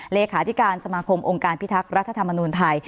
เลขาธิการสมาคมองค์การพิทักษ์รัฐธรรมนูญไทย